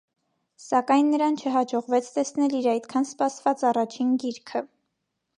Սակայն նրան չհաջողվեց տեսնել իր այդքան սպասված առաջին գիրքը։